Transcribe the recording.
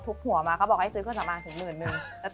ถูกหัวมาเขาบอกให้ซื้อเงินสำหรับถึง๑๑๐๐๐บาท